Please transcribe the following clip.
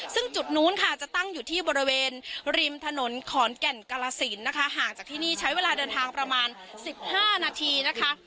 ซึ่งจุดนู้นค่ะจะตั้งอยู่ที่บริเวณริมถนนขอนแก่นกาลสินนะคะห่างจากที่นี่ใช้เวลาเดินทางประมาณ๑๕นาทีนะคะ